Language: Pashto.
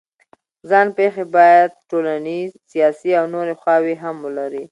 ځان پېښې باید ټولنیز، سیاسي او نورې خواوې هم ولري.